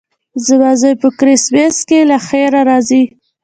زما زوی په کرېسمس کې له خیره راځي.